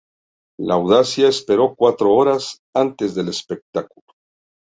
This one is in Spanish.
La audiencia esperó cuatro horas antes del espectáculo.